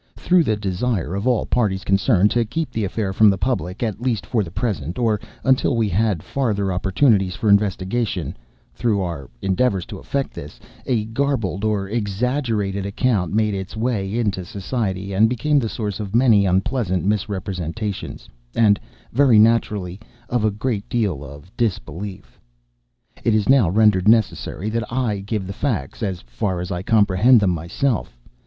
Through the desire of all parties concerned, to keep the affair from the public, at least for the present, or until we had farther opportunities for investigation—through our endeavors to effect this—a garbled or exaggerated account made its way into society, and became the source of many unpleasant misrepresentations; and, very naturally, of a great deal of disbelief. It is now rendered necessary that I give the facts—as far as I comprehend them myself.